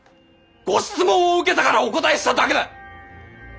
ご質問を受けたからお答えしただけだ。